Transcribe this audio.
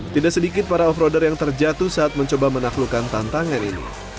tidak sedikit para off roader yang terjatuh saat mencoba menaklukkan tantangan ini